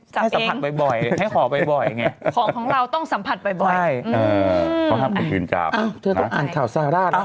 จับเองให้ถัดบ่อยท่องของเราต้องสัมผัสบ่อย